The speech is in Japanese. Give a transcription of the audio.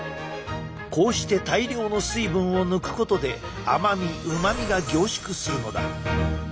こうして大量の水分を抜くことで甘みうまみが凝縮するのだ。